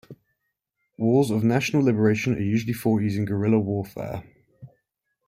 Wars of national liberation are usually fought using guerrilla warfare.